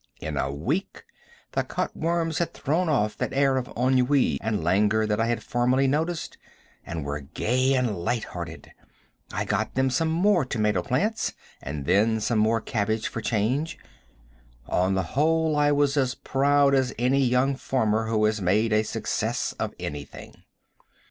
In a week the cut worms had thrown off that air of ennui and languor that I had I formerly noticed, and were gay and light hearted. I got them some more tomato plants, and then some more cabbage for change. On the whole I was as proud as any young farmer who has made a success of anything.